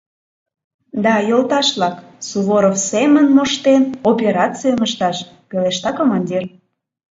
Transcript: — Да, йолташ-влак, Суворов семын моштен операцийым ышташ! — пелешта командир.